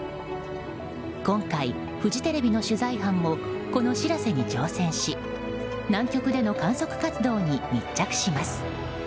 今回フジテレビの取材班もこの「しらせ」に乗船し南極での観測活動に密着します。